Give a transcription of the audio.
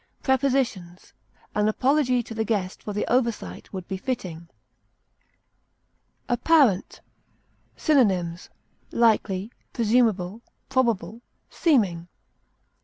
Prepositions: An apology to the guest for the oversight would be fitting. APPARENT. Synonyms: likely, presumable, probable, seeming.